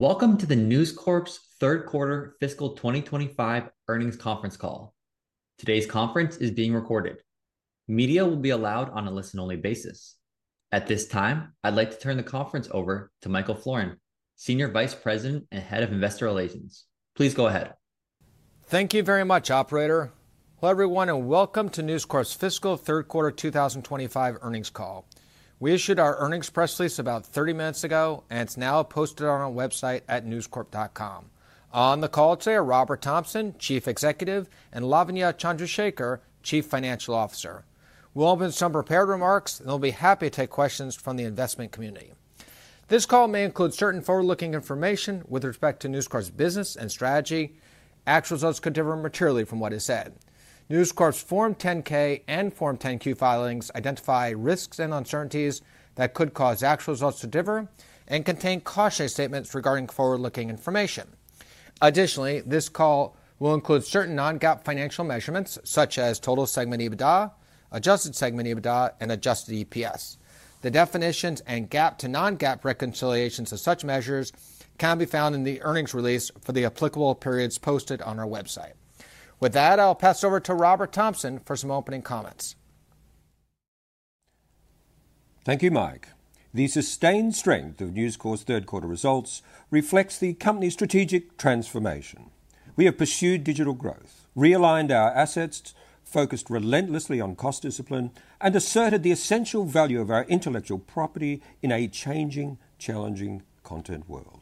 Welcome to the News Corp's third quarter fiscal 2025 earnings conference call. Today's conference is being recorded. Media will be allowed on a listen-only basis. At this time, I'd like to turn the conference over to Michael Florin, Senior Vice President and Head of Investor Relations. Please go ahead. Thank you very much, Operator. Hello everyone and welcome to News Corp's fiscal third quarter 2025 earnings call. We issued our earnings press release about 30 minutes ago, and it's now posted on our website at newscorp.com. On the call today are Robert Thomson, Chief Executive, and Lavanya Chandrashekar, Chief Financial Officer. We'll open with some prepared remarks, and we'll be happy to take questions from the investment community. This call may include certain forward-looking information with respect to News Corp's business and strategy. Actual results could differ materially from what is said. News Corp's Form 10-K and Form 10-Q filings identify risks and uncertainties that could cause actual results to differ and contain cautionary statements regarding forward-looking information. Additionally, this call will include certain non-GAAP financial measurements, such as total segment EBITDA, adjusted segment EBITDA, and adjusted EPS. The definitions and GAAP to non-GAAP reconciliations of such measures can be found in the earnings release for the applicable periods posted on our website. With that, I'll pass it over to Robert Thomson for some opening comments. Thank you, Mike. The sustained strength of News Corp's Third Quarter results reflects the company's strategic transformation. We have pursued digital growth, realigned our assets, focused relentlessly on cost discipline, and asserted the essential value of our intellectual property in a changing, challenging content world.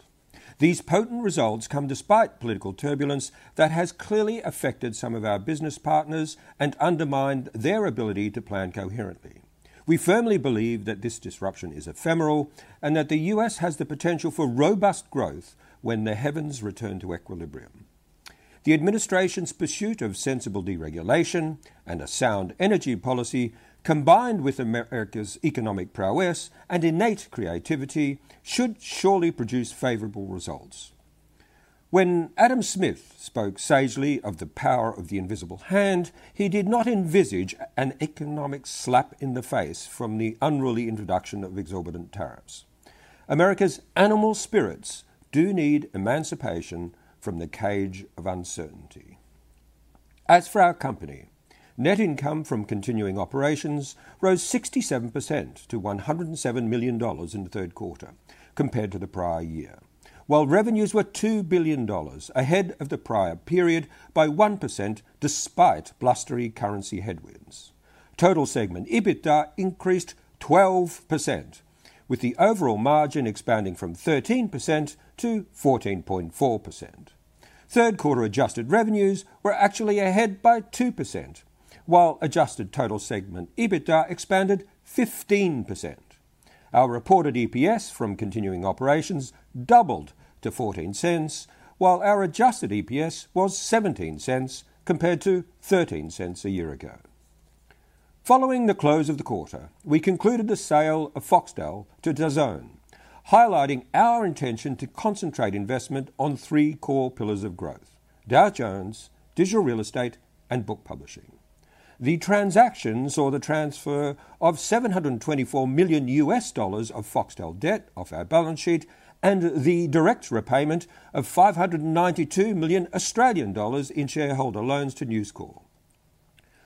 These potent results come despite political turbulence that has clearly affected some of our business partners and undermined their ability to plan coherently. We firmly believe that this disruption is ephemeral and that the U.S. has the potential for robust growth when the heavens return to equilibrium. The administration's pursuit of sensible deregulation and a sound energy policy, combined with America's economic prowess and innate creativity, should surely produce favorable results. When Adam Smith spoke sagely of the power of the invisible hand, he did not envisage an economic slap in the face from the unruly introduction of exorbitant tariffs. America's animal spirits do need emancipation from the cage of uncertainty. As for our company, net income from continuing operations rose 67% to $107 million in the third quarter compared to the prior year, while revenues were $2 billion ahead of the prior period by 1% despite blustery currency headwinds. Total segment EBITDA increased 12%, with the overall margin expanding from 13% to 14.4%. Third quarter adjusted revenues were actually ahead by 2%, while adjusted total segment EBITDA expanded 15%. Our reported EPS from continuing operations doubled to $0.14, while our adjusted EPS was $0.17 compared to $0.13 a year ago. Following the close of the quarter, we concluded the sale of Foxtel to DAZN, highlighting our intention to concentrate investment on three core pillars of growth: Dow Jones, digital real estate, and Book Publishing. The transaction saw the transfer of $724 million of Foxtel debt off our balance sheet and the direct repayment of 592 million Australian dollars in shareholder loans to News Corp.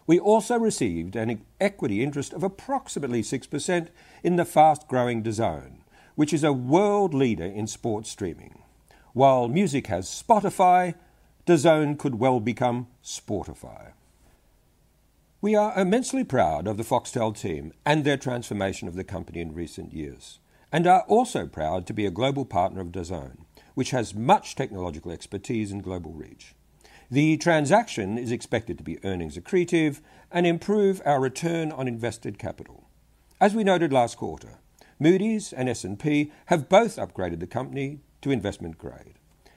We also received an equity interest of approximately 6% in the fast-growing DAZN, which is a world leader in sports streaming. While music has Spotify, DAZN could well become Sportify. We are immensely proud of the Foxtel team and their transformation of the company in recent years, and are also proud to be a global partner of DAZN, which has much technological expertise and global reach. The transaction is expected to be earnings accretive and improve our return on invested capital. As we noted last quarter, Moody's and S&P have both upgraded the company to investment grade,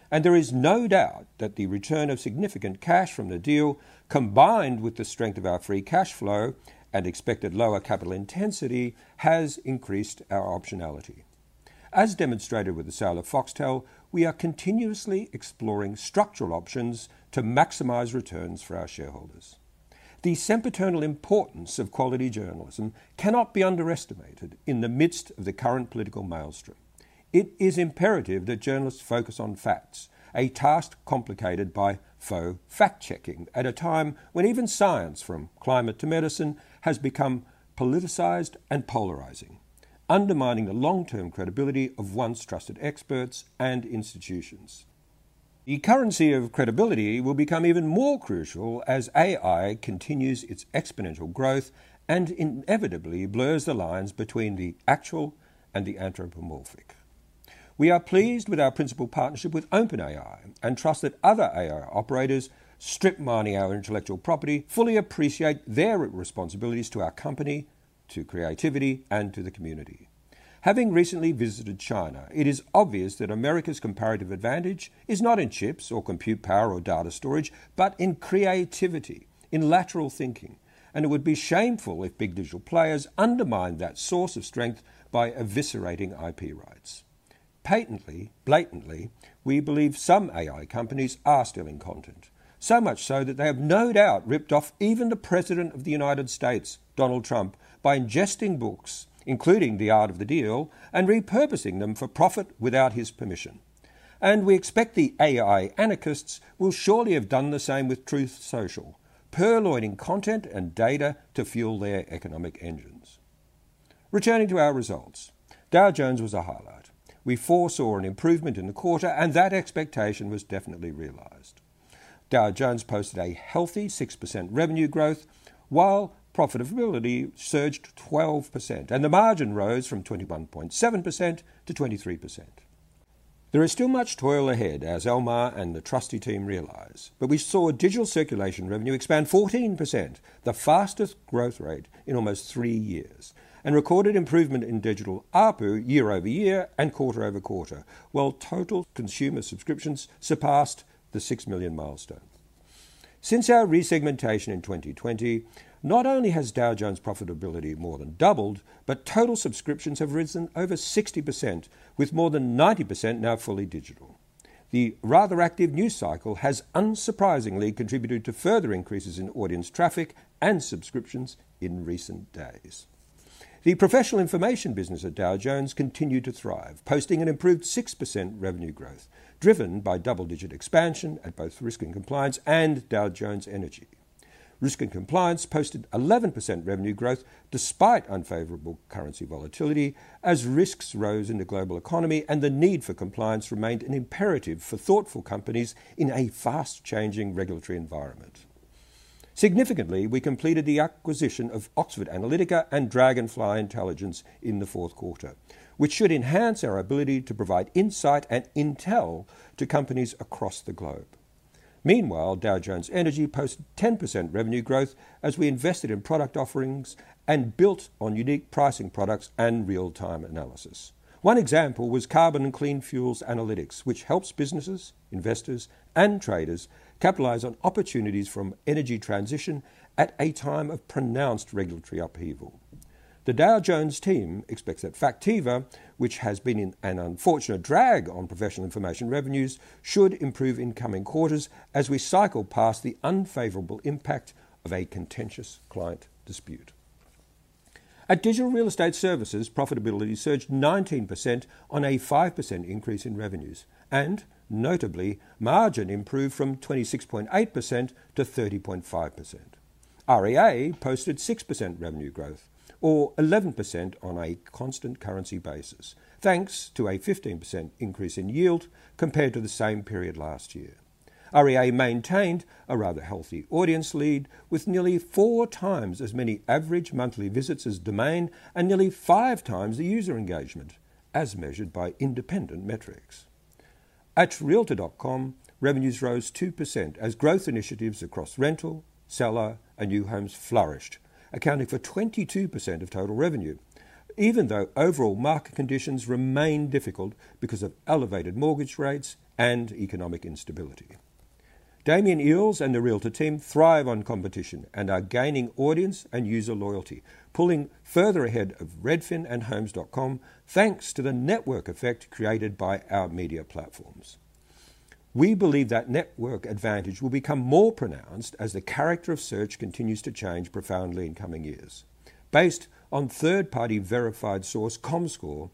and there is no doubt that the return of significant cash from the deal, combined with the strength of our free cash flow and expected lower capital intensity, has increased our optionality. As demonstrated with the sale of Foxtel, we are continuously exploring structural options to maximize returns for our shareholders. The sempiternal importance of quality journalism cannot be underestimated in the midst of the current political maelstrom. It is imperative that journalists focus on facts, a task complicated by faux fact-checking at a time when even science, from climate to medicine, has become politicized and polarizing, undermining the long-term credibility of once-trusted experts and institutions. The currency of credibility will become even more crucial as AI continues its exponential growth and inevitably blurs the lines between the actual and the anthropomorphic. We are pleased with our principal partnership with OpenAI and trust that other AI operators, strip mining our intellectual property, fully appreciate their responsibilities to our company, to creativity, and to the community. Having recently visited China, it is obvious that America's comparative advantage is not in chips or compute power or data storage, but in creativity, in lateral thinking, and it would be shameful if big digital players undermined that source of strength by eviscerating IP rights. Patently, blatantly, we believe some AI companies are stealing content, so much so that they have no doubt ripped off even the President of the United States, Donald Trump, by ingesting books, including The Art of the Deal, and repurposing them for profit without his permission, and we expect the AI anarchists will surely have done the same with Truth Social, purloining content and data to fuel their economic engines. Returning to our results, Dow Jones was a highlight. We foresaw an improvement in the quarter, and that expectation was definitely realized. Dow Jones posted a healthy 6% revenue growth, while profitability surged 12%, and the margin rose from 21.7% to 23%. There is still much toil ahead, as Almar and the trustee team realize, but we saw digital circulation revenue expand 14%, the fastest growth rate in almost three years, and recorded improvement in digital ARPU year-over-year and quarter-over-quarter, while total consumer subscriptions surpassed the six million milestone. Since our resegmentation in 2020, not only has Dow Jones profitability more than doubled, but total subscriptions have risen over 60%, with more than 90% now fully digital. The rather active news cycle has unsurprisingly contributed to further increases in audience traffic and subscriptions in recent days. The professional information business at Dow Jones continued to thrive, posting an improved 6% revenue growth, driven by double-digit expansion at both Risk & Compliance and Dow Jones Energy. Risk & Compliance posted 11% revenue growth despite unfavorable currency volatility, as risks rose in the global economy and the need for compliance remained an imperative for thoughtful companies in a fast-changing regulatory environment. Significantly, we completed the acquisition of Oxford Analytica and Dragonfly Intelligence in the fourth quarter, which should enhance our ability to provide insight and intel to companies across the globe. Meanwhile, Dow Jones Energy posted 10% revenue growth as we invested in product offerings and built on unique pricing products and real-time analysis. One example was Carbon and Clean Fuels Analytics, which helps businesses, investors, and traders capitalize on opportunities from energy transition at a time of pronounced regulatory upheaval. The Dow Jones team expects that Factiva, which has been an unfortunate drag on professional information revenues, should improve in coming quarters as we cycle past the unfavorable impact of a contentious client dispute. At Digital Real Estate Services, profitability surged 19% on a 5% increase in revenues, and notably, margin improved from 26.8% to 30.5%. REA posted 6% revenue growth, or 11% on a constant currency basis, thanks to a 15% increase in yield compared to the same period last year. REA maintained a rather healthy audience lead, with nearly four times as many average monthly visits as Domain and nearly five times the user engagement, as measured by independent metrics. At Realtor.com, revenues rose 2% as growth initiatives across rental, seller, and new homes flourished, accounting for 22% of total revenue, even though overall market conditions remained difficult because of elevated mortgage rates and economic instability. Damian Eales and the Realtor team thrive on competition and are gaining audience and user loyalty, pulling further ahead of Redfin and Homes.com, thanks to the network effect created by our media platforms. We believe that network advantage will become more pronounced as the character of search continues to change profoundly in coming years. Based on third-party verified source Comscore,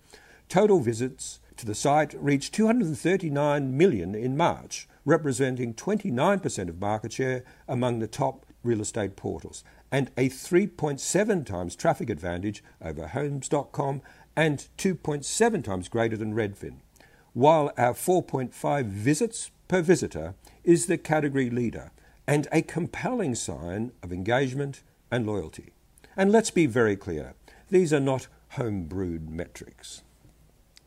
total visits to the site reached 239 million in March, representing 29% of market share among the top real estate portals, and a 3.7x traffic advantage over Homes.com and 2.7x greater than Redfin, while our 4.5 visits per visitor is the category leader and a compelling sign of engagement and loyalty, and let's be very clear, these are not home-brewed metrics.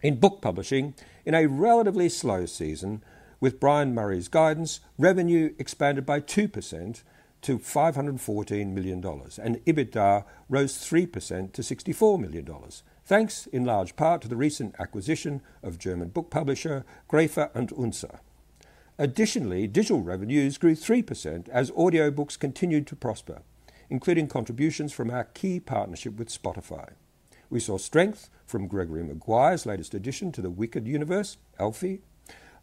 In book publishing, in a relatively slow season, with Brian Murray's guidance, revenue expanded by 2% to $514 million, and EBITDA rose 3% to $64 million, thanks in large part to the recent acquisition of German book publisher Gräfe und Unzer. Additionally, digital revenues grew 3% as audiobooks continued to prosper, including contributions from our key partnership with Spotify. We saw strength from Gregory Maguire's latest addition to the Wicked universe, Elphie,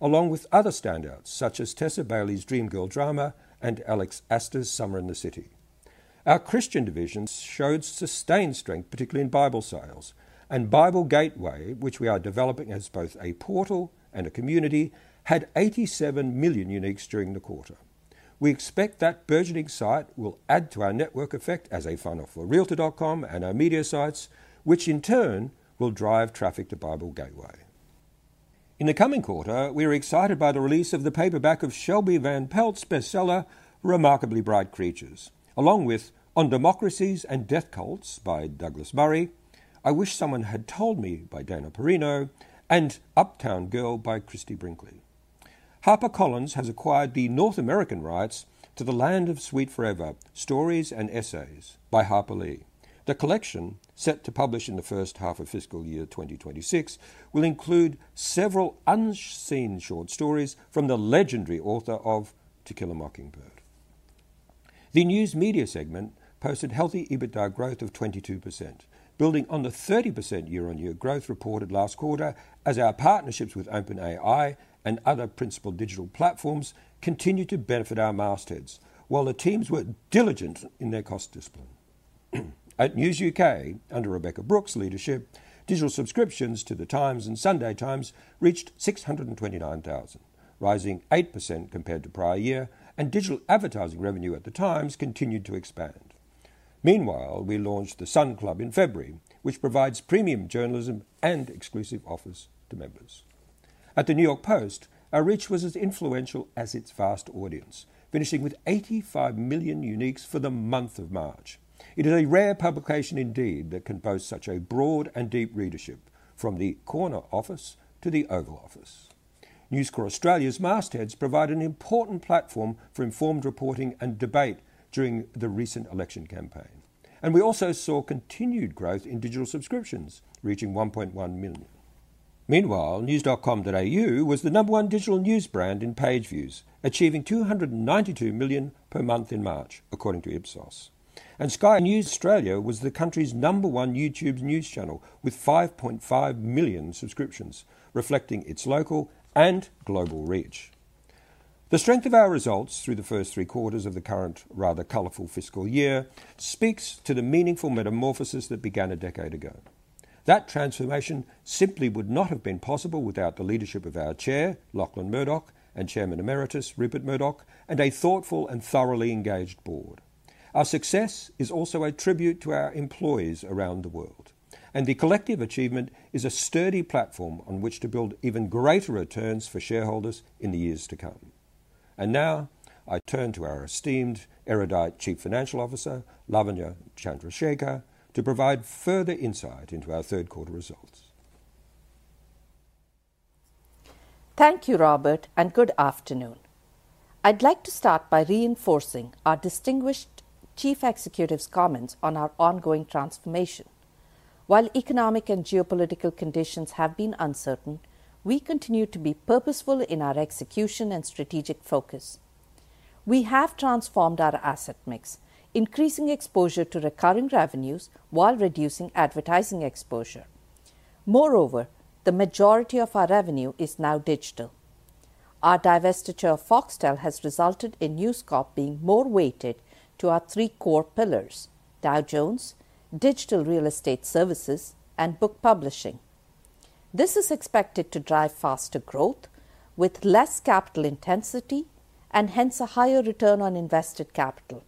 along with other standouts such as Tessa Bailey's Dream Girl Drama and Alex Aster's Summer in the City. Our Christian division showed sustained strength, particularly in Bible sales, and Bible Gateway, which we are developing as both a portal and a community, had 87 million uniques during the quarter. We expect that burgeoning site will add to our network effect as a funnel for Realtor.com and our media sites, which in turn will drive traffic to Bible Gateway. In the coming quarter, we are excited by the release of the paperback of Shelby Van Pelt's bestseller, Remarkably Bright Creatures, along with On Democracies and Death Cults by Douglas Murray, I Wish Someone Had Told Me by Dana Perino, and Uptown Girl by Christie Brinkley. HarperCollins has acquired the North American rights to The Land of Sweet Forever: Stories and Essays by Harper Lee. The collection, set to publish in the first half of fiscal year 2026, will include several unseen short stories from the legendary author of To Kill a Mockingbird. The News Media segment posted healthy EBITDA growth of 22%, building on the 30% year-on-year growth reported last quarter as our partnerships with OpenAI and other principal digital platforms continued to benefit our mastheads, while the teams were diligent in their cost discipline. At News UK, under Rebekah Brooks' leadership, digital subscriptions to The Times and The Sunday Times reached 629,000, rising 8% compared to prior year, and digital advertising revenue at The Times continued to expand. Meanwhile, we launched The Sun Club in February, which provides premium journalism and exclusive offers to members. At The New York Post, our reach was as influential as its vast audience, finishing with 85 million uniques for the month of March. It is a rare publication indeed that can boast such a broad and deep readership, from the corner office to the oval office. News Corp Australia's mastheads provide an important platform for informed reporting and debate during the recent election campaign, and we also saw continued growth in digital subscriptions, reaching 1.1 million. Meanwhile, News.com.au was the number one digital news brand in page views, achieving 292 million per month in March, according to Ipsos. Sky News Australia was the country's number one YouTube news channel with 5.5 million subscriptions, reflecting its local and global reach. The strength of our results through the first three quarters of the current, rather colorful fiscal year speaks to the meaningful metamorphosis that began a decade ago. That transformation simply would not have been possible without the leadership of our chair, Lachlan Murdoch, and chairman emeritus, Rupert Murdoch, and a thoughtful and thoroughly engaged board. Our success is also a tribute to our employees around the world, and the collective achievement is a sturdy platform on which to build even greater returns for shareholders in the years to come. Now, I turn to our esteemed erudite Chief Financial Officer, Lavanya Chandrashekar, to provide further insight into our third quarter results. Thank you, Robert, and good afternoon. I'd like to start by reinforcing our distinguished Chief Executive's comments on our ongoing transformation. While economic and geopolitical conditions have been uncertain, we continue to be purposeful in our execution and strategic focus. We have transformed our asset mix, increasing exposure to recurring revenues while reducing advertising exposure. Moreover, the majority of our revenue is now digital. Our divestiture of Foxtel has resulted in News Corp being more weighted to our three core pillars: Dow Jones, Digital Real Estate Services, and book publishing. This is expected to drive faster growth with less capital intensity and hence a higher return on invested capital.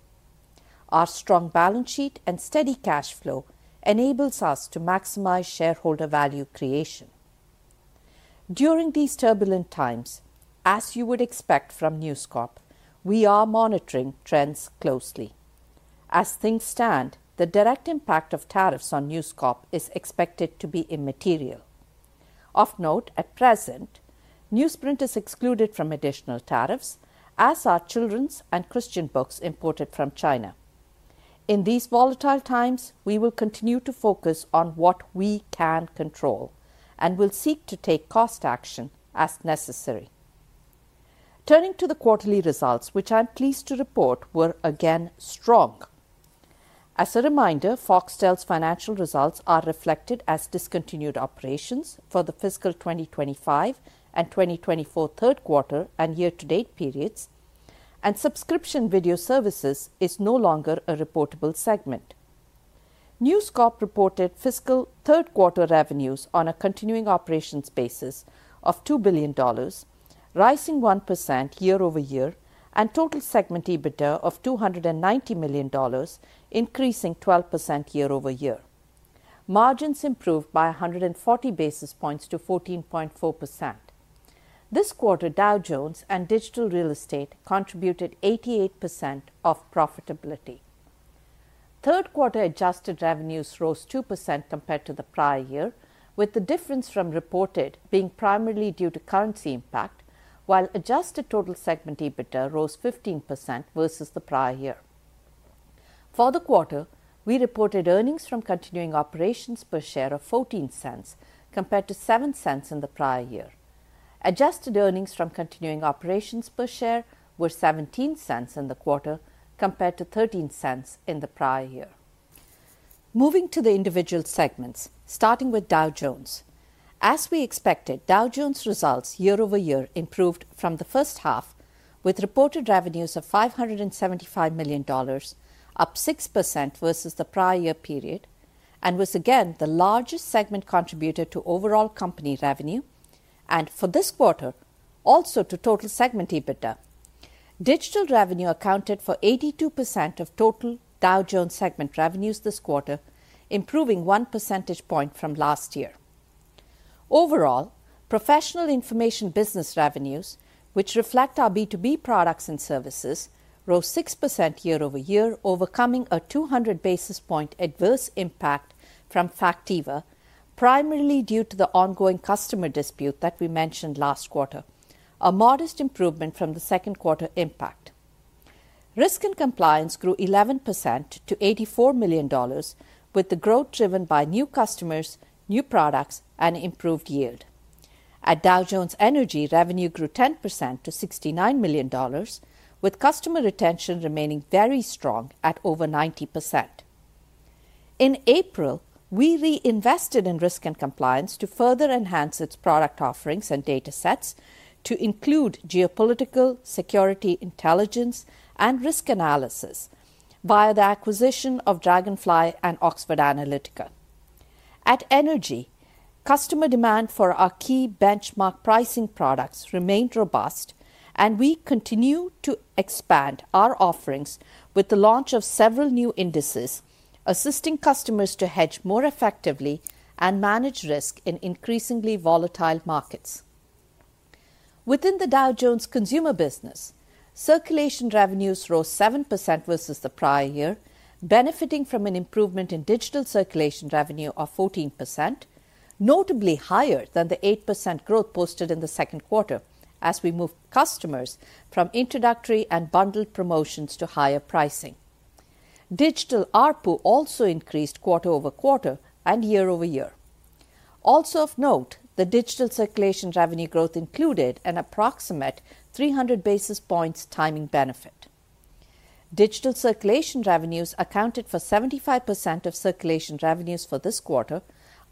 Our strong balance sheet and steady cash flow enables us to maximize shareholder value creation. During these turbulent times, as you would expect from News Corp, we are monitoring trends closely. As things stand, the direct impact of tariffs on News Corp is expected to be immaterial. Of note, at present, newsprint is excluded from additional tariffs, as are children's and Christian books imported from China. In these volatile times, we will continue to focus on what we can control and will seek to take cost action as necessary. Turning to the quarterly results, which I'm pleased to report were again strong. As a reminder, Foxtel's financial results are reflected as discontinued operations for the fiscal 2025 and 2024 third quarter and year-to-date periods, and Subscription Video Services is no longer a reportable segment. News Corp reported fiscal third quarter revenues on a continuing operations basis of $2 billion, rising 1% year-over-year, and total segment EBITDA of $290 million, increasing 12% year-over-year. Margins improved by 140 basis points to 14.4%, This quarter, Dow Jones and digital real estate contributed 88% of profitability. Third quarter adjusted revenues rose 2% compared to the prior year, with the difference from reported being primarily due to currency impact, while adjusted total segment EBITDA rose 15% versus the prior year. For the quarter, we reported earnings from continuing operations per share of $0.14 compared to $0.07 in the prior year. Adjusted earnings from continuing operations per share were $0.17 in the quarter compared to $0.13 in the prior year. Moving to the individual segments, starting with Dow Jones. As we expected, Dow Jones results year-over-year improved from the first half, with reported revenues of $575 million, up 6% versus the prior year period, and was again the largest segment contributor to overall company revenue, and for this quarter, also to total segment EBITDA. Digital revenue accounted for 82% of total Dow Jones segment revenues this quarter, improving 1 percentage point from last year. Overall, professional information business revenues, which reflect our B2B products and services, rose 6% year-over-year, overcoming a 200 basis point adverse impact from Factiva, primarily due to the ongoing customer dispute that we mentioned last quarter, a modest improvement from the second quarter impact. Risk and Compliance grew 11% to $84 million, with the growth driven by new customers, new products, and improved yield. At Dow Jones Energy, revenue grew 10% to $69 million, with customer retention remaining very strong at over 90%. In April, we reinvested in Risk and Compliance to further enhance its product offerings and data sets to include geopolitical, security, intelligence, and risk analysis via the acquisition of Dragonfly and Oxford Analytica. In energy, customer demand for our key benchmark pricing products remained robust, and we continue to expand our offerings with the launch of several new indices, assisting customers to hedge more effectively and manage risk in increasingly volatile markets. Within the Dow Jones consumer business, circulation revenues rose 7% versus the prior year, benefiting from an improvement in digital circulation revenue of 14%, notably higher than the 8% growth posted in the second quarter as we moved customers from introductory and bundled promotions to higher pricing. Digital ARPU also increased quarter-over-quarter and year-over-year. Also of note, the digital circulation revenue growth included an approximate 300 basis points timing benefit. Digital circulation revenues accounted for 75% of circulation revenues for this quarter,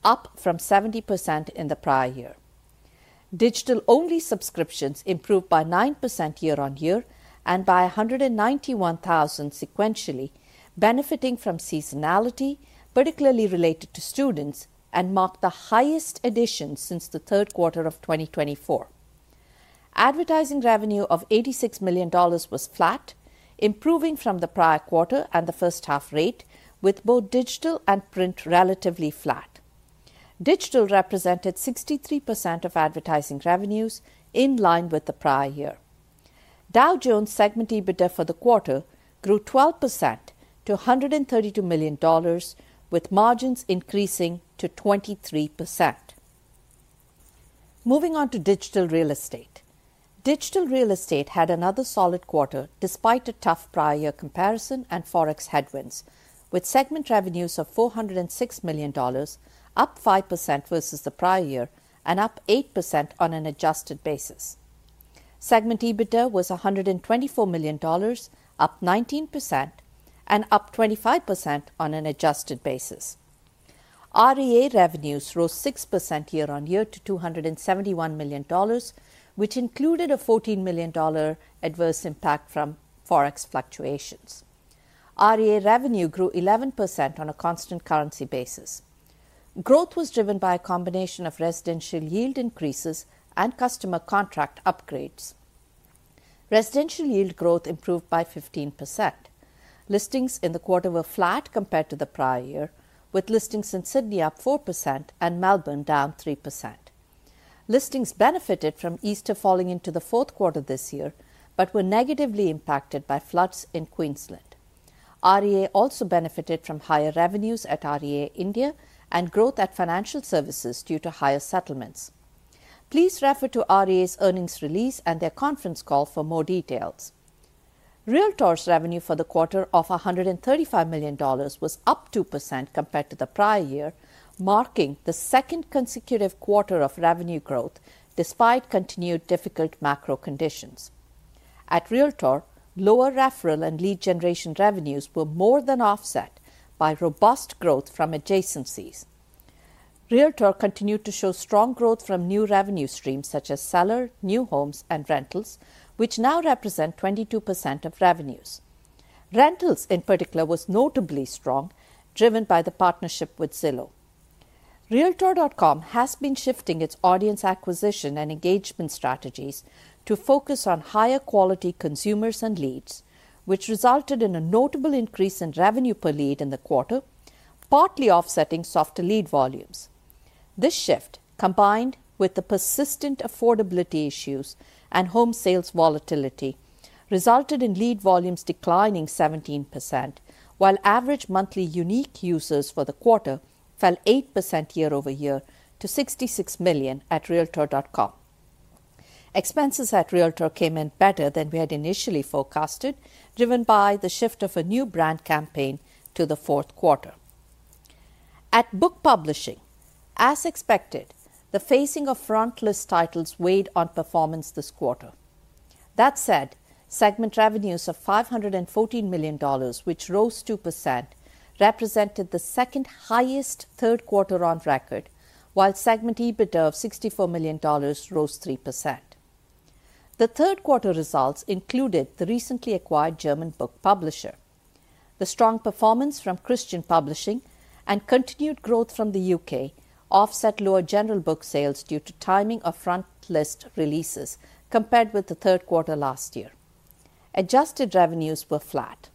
up from 70% in the prior year. Digital-only subscriptions improved by 9% year-on-year and by 191,000 sequentially, benefiting from seasonality, particularly related to students, and marked the highest addition since the third quarter of 2024. Advertising revenue of $86 million was flat, improving from the prior quarter and the first half rate, with both digital and print relatively flat. Digital represented 63% of advertising revenues, in line with the prior year. Dow Jones segment EBITDA for the quarter grew 12% to $132 million, with margins increasing to 23%. Moving on to digital real estate. Digital real estate had another solid quarter despite a tough prior year comparison and forex headwinds, with segment revenues of $406 million, up 5% versus the prior year and up 8% on an adjusted basis. Segment EBITDA was $124 million, up 19%, and up 25% on an adjusted basis. REA revenues rose 6% year-on-year to $271 million, which included a $14 million adverse impact from forex fluctuations. REA revenue grew 11% on a constant currency basis. Growth was driven by a combination of residential yield increases and customer contract upgrades. Residential yield growth improved by 15%. Listings in the quarter were flat compared to the prior year, with listings in Sydney up 4% and Melbourne down 3%. Listings benefited from Easter falling into the fourth quarter this year but were negatively impacted by floods in Queensland. REA also benefited from higher revenues at REA India and growth at financial services due to higher settlements. Please refer to REA's earnings release and their conference call for more details. Realtor.com revenue for the quarter of $135 million was up 2% compared to the prior year, marking the second consecutive quarter of revenue growth despite continued difficult macro conditions. At Realtor, lower referral and lead generation revenues were more than offset by robust growth from adjacencies. Realtor continued to show strong growth from new revenue streams such as seller, new homes, and rentals, which now represent 22% of revenues. Rentals, in particular, was notably strong, driven by the partnership with Zillow. Realtor.com has been shifting its audience acquisition and engagement strategies to focus on higher quality consumers and leads, which resulted in a notable increase in revenue per lead in the quarter, partly offsetting softer lead volumes. This shift, combined with the persistent affordability issues and home sales volatility, resulted in lead volumes declining 17%, while average monthly unique users for the quarter fell 8% year-over-year to 66 million at Realtor.com. Expenses at Realtor came in better than we had initially forecasted, driven by the shift of a new brand campaign to the fourth quarter. In book publishing, as expected, the fading of front list titles weighed on performance this quarter. That said, segment revenues of $514 million, which rose 2%, represented the second highest third quarter on record, while segment EBITDA of $64 million rose 3%. The third quarter results included the recently acquired German book publisher. The strong performance from Christian Publishing and continued growth from the U.K. offset lower general book sales due to timing of front list releases compared with the third quarter last year. Adjusted revenues were flat.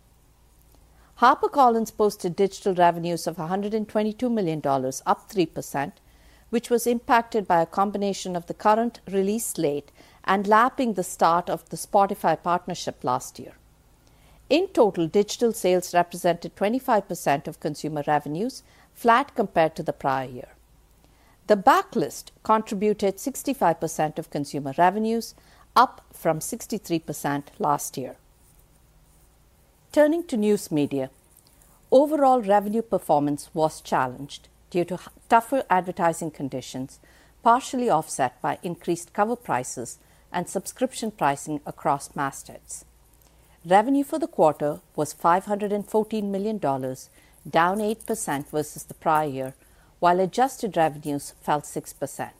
HarperCollins posted digital revenues of $122 million, up 3%, which was impacted by a combination of the current release slate and lapping the start of the Spotify partnership last year. In total, digital sales represented 25% of consumer revenues, flat compared to the prior year. The back list contributed 65% of consumer revenues, up from 63% last year. Turning to news media, overall revenue performance was challenged due to tougher advertising conditions, partially offset by increased cover prices and subscription pricing across mastheads. Revenue for the quarter was $514 million, down 8% versus the prior year, while adjusted revenues fell 6%.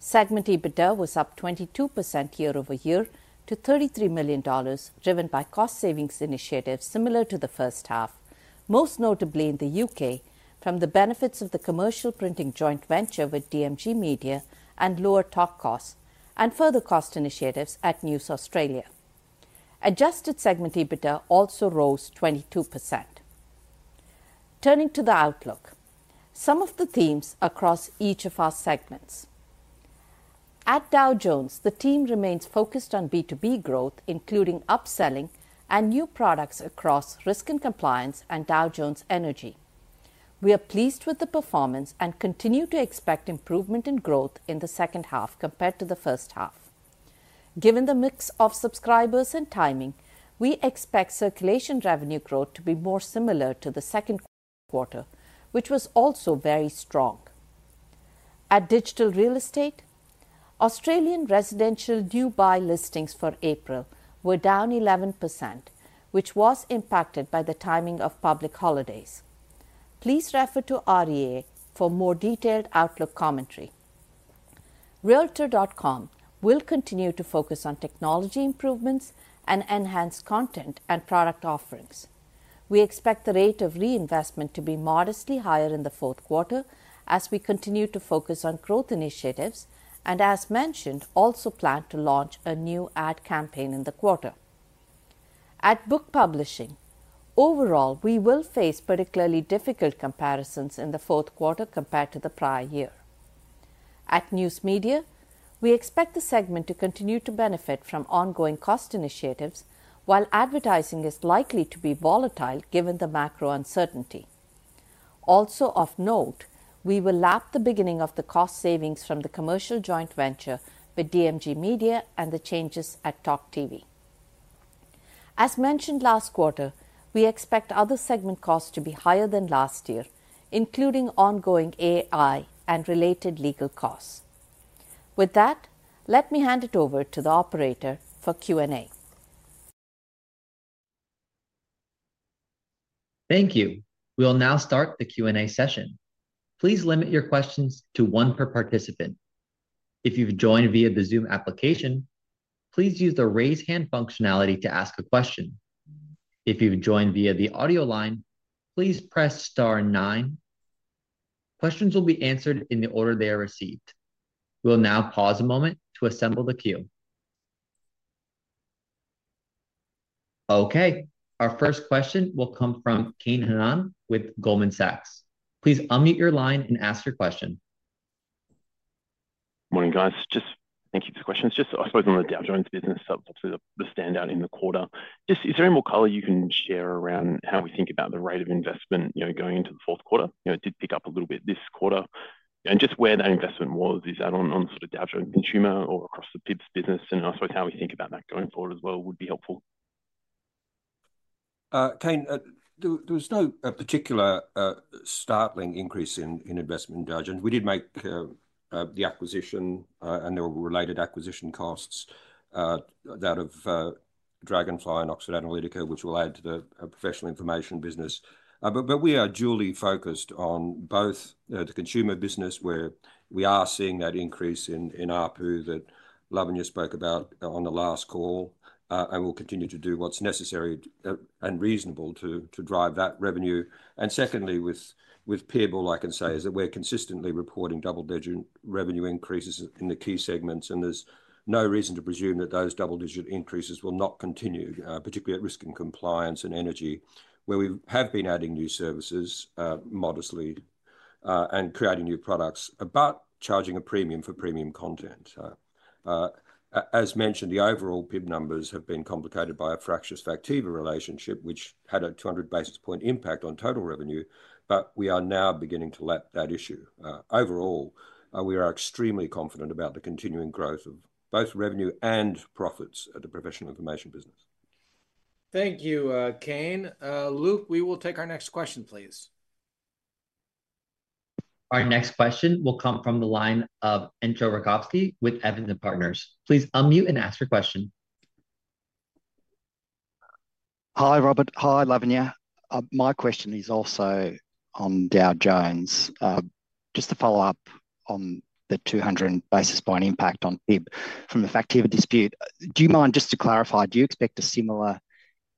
Segment EBITDA was up 22% year-over-year to $33 million, driven by cost savings initiatives similar to the first half, most notably in the U.K. from the benefits of the commercial printing joint venture with DMG Media and lower talk costs and further cost initiatives at News Australia. Adjusted segment EBITDA also rose 22%. Turning to the outlook, some of the themes across each of our segments. At Dow Jones, the team remains focused on B2B growth, including upselling and new products across risk and compliance and Dow Jones Energy. We are pleased with the performance and continue to expect improvement in growth in the second half compared to the first half. Given the mix of subscribers and timing, we expect circulation revenue growth to be more similar to the second quarter, which was also very strong. At digital real estate, Australian residential new buy listings for April were down 11%, which was impacted by the timing of public holidays. Please refer to REA for more detailed outlook commentary. Realtor.com will continue to focus on technology improvements and enhanced content and product offerings. We expect the rate of reinvestment to be modestly higher in the fourth quarter as we continue to focus on growth initiatives and, as mentioned, also plan to launch a new ad campaign in the quarter. At book publishing, overall, we will face particularly difficult comparisons in the fourth quarter compared to the prior year. At News Media, we expect the segment to continue to benefit from ongoing cost initiatives, while advertising is likely to be volatile given the macro uncertainty. Also of note, we will lap the beginning of the cost savings from the commercial joint venture with DMG Media and the changes at TalkTV. As mentioned last quarter, we expect other segment costs to be higher than last year, including ongoing AI and related legal costs. With that, let me hand it over to the operator for Q&A. Thank you. We'll now start the Q&A session. Please limit your questions to one per participant. If you've joined via the Zoom application, please use the raise hand functionality to ask a question. If you've joined via the audio line, please press star nine. Questions will be answered in the order they are received. We'll now pause a moment to assemble the queue. Okay, our first question will come from Kane Hannan with Goldman Sachs. Please unmute your line and ask your question. Morning, guys. Just thank you for the question. It's just, I suppose, on the Dow Jones business, so hopefully we'll stand out in the quarter. Just, is there any more color you can share around how we think about the rate of investment, you know, going into the fourth quarter? You know, it did pick up a little bit this quarter. And just where that investment was, is that on sort of Dow Jones consumer or across the B2B business? And I suppose how we think about that going forward as well would be helpful. Kane, there was no particular, startling increase in investment in Dow Jones. We did make the acquisition, and there were related acquisition costs that of Dragonfly and Oxford Analytica, which will add to the professional information business. But we are dually focused on both the consumer business, where we are seeing that increase in ARPU that Lavanya spoke about on the last call, and we'll continue to do what's necessary and reasonable to drive that revenue. And secondly, with PIB, I can say is that we're consistently reporting double-digit revenue increases in the key segments, and there's no reason to presume that those double-digit increases will not continue, particularly at risk and compliance and energy, where we have been adding new services, modestly, and creating new products, but charging a premium for premium content. As mentioned, the overall PIB numbers have been complicated by a fractious Factiva relationship, which had a 200 basis point impact on total revenue, but we are now beginning to lap that issue. Overall, we are extremely confident about the continuing growth of both revenue and profits at the professional information business. Thank you, Kane. Luke, we will take our next question, please. Our next question will come from the line of Entcho Raykovski with Evans and Partners. Please unmute and ask your question. Hi, Robert. Hi, Lavanya. My question is also on Dow Jones. Just to follow up on the 200 basis point impact on PIB from the Factiva dispute, do you mind just to clarify, do you expect a similar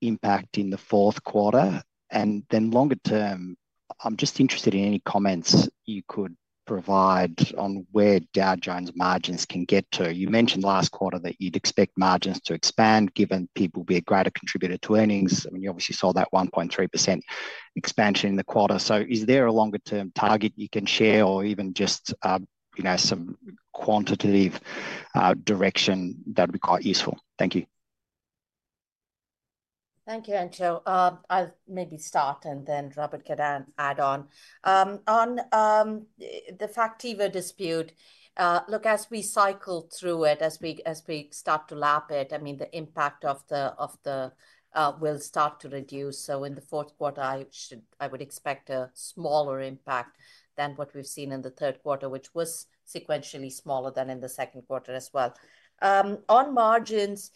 impact in the fourth quarter and then longer term? I'm just interested in any comments you could provide on where Dow Jones margins can get to. You mentioned last quarter that you'd expect margins to expand given PIB will be a greater contributor to earnings. I mean, you obviously saw that 1.3% expansion in the quarter. So is there a longer term target you can share or even just, you know, some quantitative direction that would be quite useful? Thank you. Thank you, Entcho. I'll maybe start and then Robert can add on. On the factor dispute, look, as we cycle through it, as we start to lap it, I mean, the impact of the will start to reduce. So in the fourth quarter, I should, I would expect a smaller impact than what we've seen in the third quarter, which was sequentially smaller than in the second quarter as well. On margins,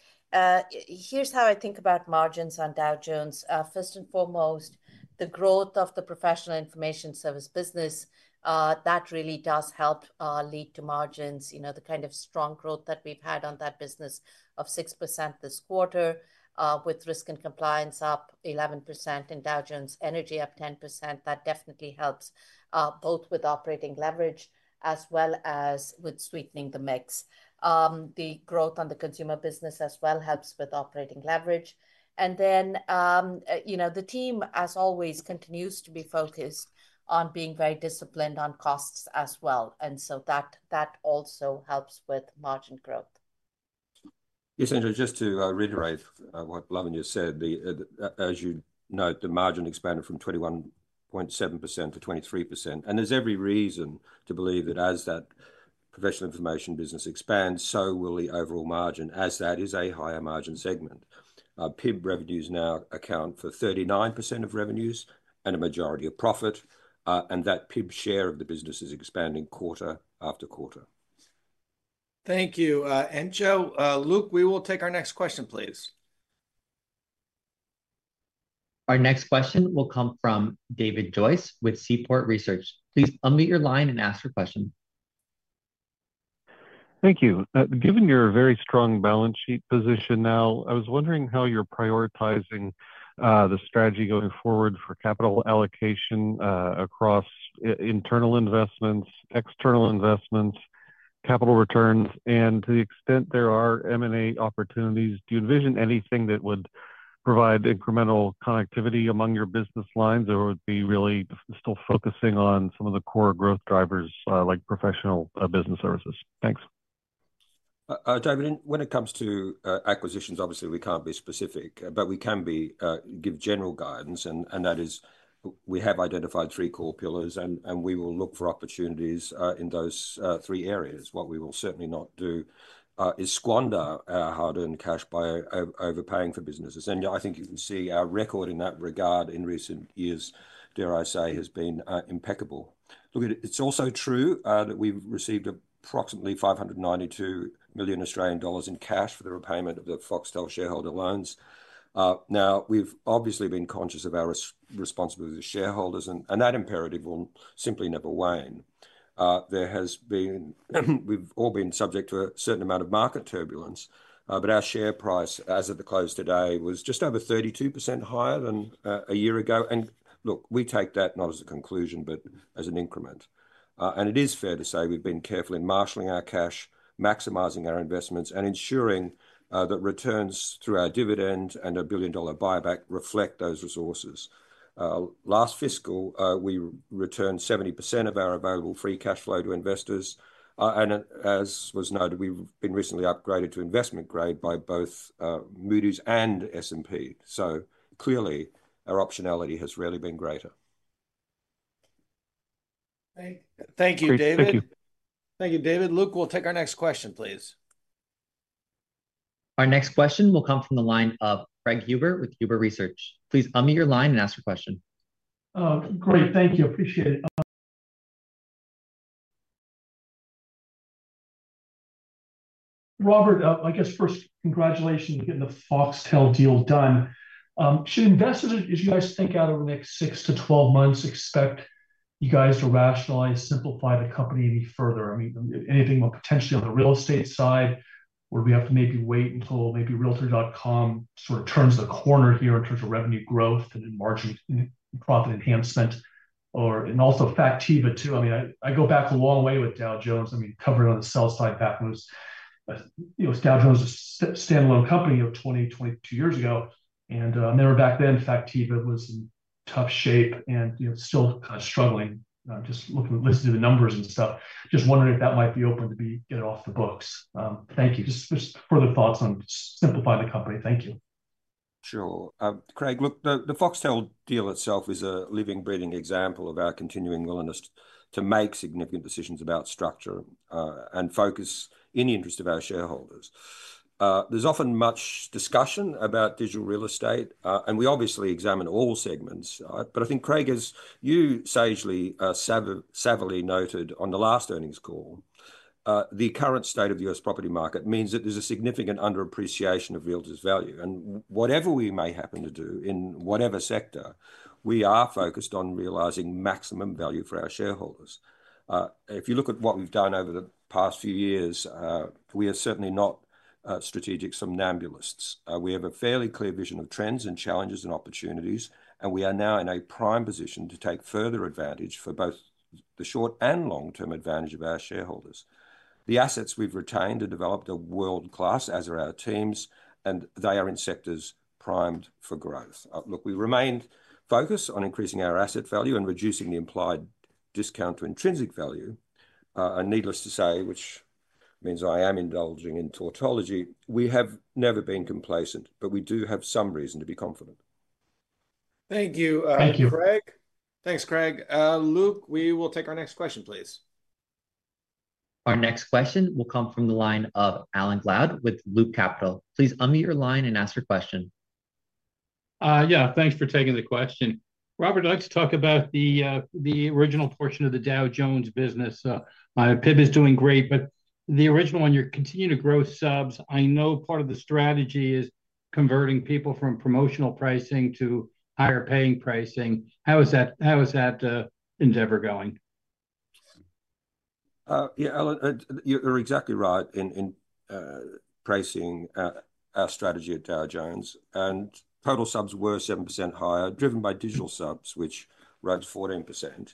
here's how I think about margins on Dow Jones. First and foremost, the growth of the professional information service business, that really does help lead to margins, you know, the kind of strong growth that we've had on that business of 6% this quarter, with Risk and Compliance up 11% and Dow Jones Energy up 10%. That definitely helps, both with operating leverage as well as with sweetening the mix. The growth on the consumer business as well helps with operating leverage. And then, you know, the team, as always, continues to be focused on being very disciplined on costs as well. And so that, that also helps with margin growth. Yes, Entcho, just to reiterate what Lavanya said, the, as you note, the margin expanded from 21.7% to 23%. And there's every reason to believe that as that professional information business expands, so will the overall margin, as that is a higher margin segment. PIB revenues now account for 39% of revenues and a majority of profit, and that PIB share of the business is expanding quarter after quarter. Thank you. Entcho, Luke, we will take our next question, please. Our next question will come from David Joyce with Seaport Research. Please unmute your line and ask your question. Thank you. Given your very strong balance sheet position now, I was wondering how you're prioritizing the strategy going forward for capital allocation across internal investments, external investments, capital returns, and to the extent there are M&A opportunities. Do you envision anything that would provide incremental connectivity among your business lines or would be really still focusing on some of the core growth drivers like professional business services? Thanks. David, when it comes to acquisitions, obviously we can't be specific, but we can give general guidance, and that is we have identified three core pillars, and we will look for opportunities in those three areas. What we will certainly not do is squander our hard-earned cash by overpaying for businesses. And I think you can see our record in that regard in recent years, dare I say, has been impeccable. Look, it's also true that we've received approximately 592 million Australian dollars in cash for the repayment of the Foxtel shareholder loans. Now, we've obviously been conscious of our responsibility as shareholders, and that imperative will simply never wane. There has been. We've all been subject to a certain amount of market turbulence, but our share price as of the close today was just over 32% higher than a year ago. And look, we take that not as a conclusion, but as an increment. And it is fair to say we've been careful in marshaling our cash, maximizing our investments, and ensuring that returns through our dividend and a $1 billion buyback reflect those resources. Last fiscal, we returned 70% of our available free cash flow to investors. And as was noted, we've been recently upgraded to investment grade by both Moody's and S&P. So clearly, our optionality has really been greater. Thank you, David. Thank you, David. Luke, we'll take our next question, please. Our next question will come from the line of Craig Huber with Huber Research. Please unmute your line and ask your question. Great. Thank you. Appreciate it. Robert, I guess first, congratulations on getting the Foxtel deal done. Should investors, as you guys think out over the next six to 12 months, expect you guys to rationalize, simplify the company any further? I mean, anything potentially on the real estate side where we have to maybe wait until maybe Realtor.com sort of turns the corner here in terms of revenue growth and margin profit enhancement, or, and also Factiva too. I mean, I go back a long way with Dow Jones. I mean, covering on the sell side back when it was, you know, Dow Jones was a standalone company of 20, 22 years ago. And I remember back then Factiva was in tough shape and, you know, still kind of struggling, just looking, listening to the numbers and stuff. Just wondering if that might be open to be getting off the books. Thank you. Just further thoughts on simplifying the company. Thank you. Sure. Craig, look, the Foxtel deal itself is a living, breathing example of our continuing willingness to make significant decisions about structure and focus in the interest of our shareholders. There's often much discussion about digital real estate, and we obviously examine all segments, but I think, Craig, as you sagely, savvily noted on the last earnings call, the current state of the U.S. property market means that there's a significant underappreciation of realtors' value. Whatever we may happen to do in whatever sector, we are focused on realizing maximum value for our shareholders. If you look at what we've done over the past few years, we are certainly not strategic somnambulists. We have a fairly clear vision of trends and challenges and opportunities, and we are now in a prime position to take further advantage for both the short and long-term advantage of our shareholders. The assets we've retained and developed are world-class, as are our teams, and they are in sectors primed for growth. Look, we remain focused on increasing our asset value and reducing the implied discount to intrinsic value. Needless to say, which means I am indulging in tautology, we have never been complacent, but we do have some reason to be confident. Thank you. Thank you Greg. Thanks, Greg. Luke, we will take our next question, please. Our next question will come from the line of Alan Gould with Loop Capital. Please unmute your line and ask your question. Yeah, thanks for taking the question. Robert, I'd like to talk about the original portion of the Dow Jones business. The PIB is doing great, but the original one, you're continuing to grow subs. I know part of the strategy is converting people from promotional pricing to higher paying pricing. How is that, how is that endeavor going? Yeah, you're exactly right in pricing our strategy at Dow Jones. And total subs were 7% higher, driven by digital subs, which rose 14%.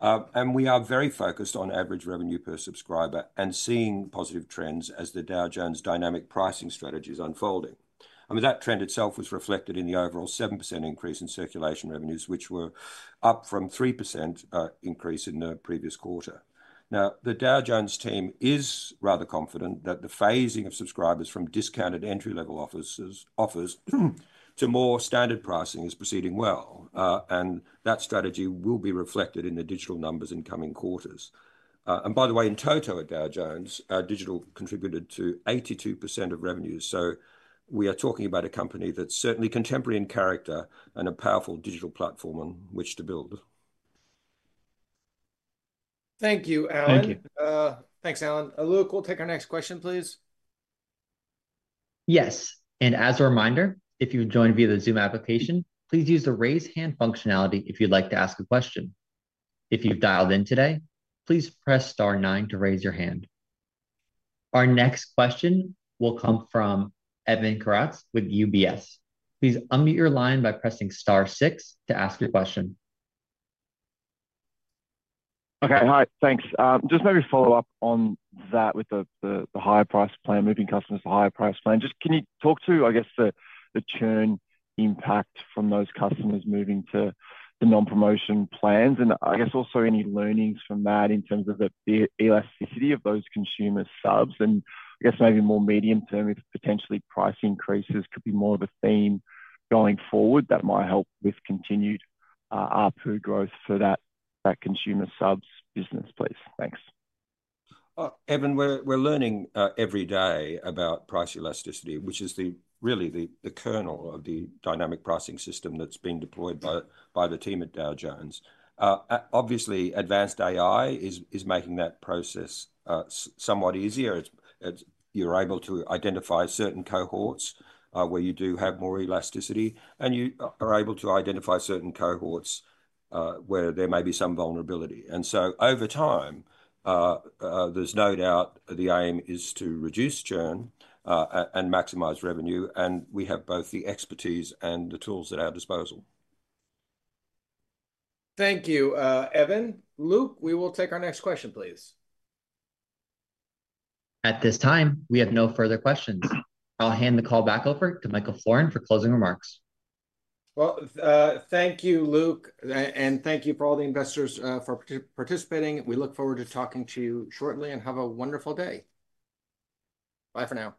And we are very focused on average revenue per subscriber and seeing positive trends as the Dow Jones dynamic pricing strategy is unfolding. I mean, that trend itself was reflected in the overall 7% increase in circulation revenues, which were up from 3% increase in the previous quarter. Now, the Dow Jones team is rather confident that the phasing of subscribers from discounted entry-level offers to more standard pricing is proceeding well, and that strategy will be reflected in the digital numbers in coming quarters. And by the way, in total at Dow Jones, our digital contributed to 82% of revenues. So we are talking about a company that's certainly contemporary in character and a powerful digital platform on which to build. Thank you, Alan. Thank you. Thanks, Alan. Luke, we'll take our next question, please. Yes. And as a reminder, if you've joined via the Zoom application, please use the raise hand functionality if you'd like to ask a question. If you've dialed in today, please press star nine to raise your hand. Our next question will come from Evan Karatzas with UBS. Please unmute your line by pressing star six to ask your question. Okay. Hi, thanks. Just maybe follow up on that with the higher price plan, moving customers to higher price plan. Just can you talk to, I guess, the churn impact from those customers moving to the non-promotion plans? And I guess also any learnings from that in terms of the elasticity of those consumer subs? And I guess maybe more medium-term, if potentially price increases could be more of a theme going forward, that might help with continued RPU growth for that consumer subs business, please. Thanks. Evan, we're learning every day about price elasticity, which is really the kernel of the dynamic pricing system that's been deployed by the team at Dow Jones. Obviously, advanced AI is making that process somewhat easier. You're able to identify certain cohorts where you do have more elasticity, and you are able to identify certain cohorts where there may be some vulnerability. And so over time, there's no doubt the aim is to reduce churn and maximize revenue, and we have both the expertise and the tools at our disposal. Thank you, Evan. Luke, we will take our next question, please. At this time, we have no further questions. I'll hand the call back over to Michael Florin for closing remarks. Well, thank you, Luke, and thank you for all the investors for participating. We look forward to talking to you shortly and have a wonderful day. Bye for now.